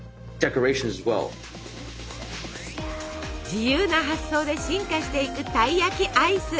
自由な発想で進化していくたい焼きアイス。